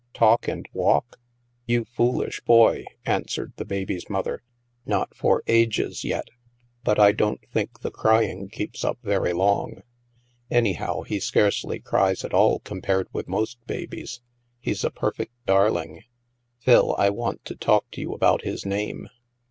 " "Talk and walk? You foolish boy," answered the baby's mother. " Not for ages yet. But I don't THE MAELSTROM 211 think the crying keeps up very long. Anyhow, he scarcely cries at all compared with most babies. He's a perfect darling. Phil, I want to talk to you about his name."